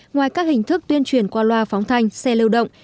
ngoài các hình thức tuyên truyền qua loa phóng thanh xe lưu động